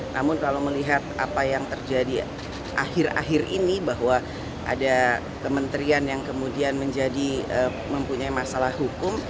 namun kalau melihat apa yang terjadi akhir akhir ini bahwa ada kementerian yang kemudian menjadi mempunyai masalah hukum